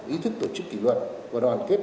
ý thức tổ chức kỷ luật và đoàn kết